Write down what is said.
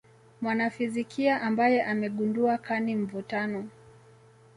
mwanafizikia ambaye amegundua kani mvutano